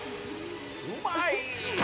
うまい。